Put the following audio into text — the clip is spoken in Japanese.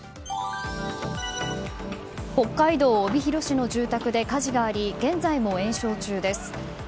北海道帯広市の住宅で火事があり現在も延焼中です。